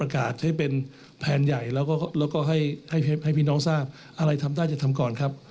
ก็ให้พี่น้องทราบอะไรทำได้จะทำก่อนครับ